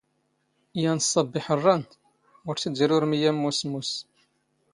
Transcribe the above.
ⵢⴰⵏ ⵚⵚⴰⴱⴱ ⵉⵃⵕⵕⴰⵏ, ⵓⵔ ⵜ ⵉⴷ ⵉⵔⵓⵔ ⵎⵢⵢⴰ ⵏ ⵎⵓⵙⵙ ⵎⵓⵙⵙ.